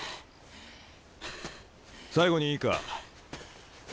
最後にいいか？